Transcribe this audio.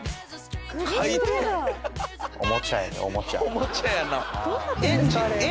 おもちゃやな。